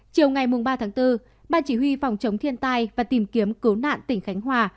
chiều ngày ba bốn ban chỉ huy phòng chống thiên tai và tìm kiếm cố nạn tỉnh khánh hòa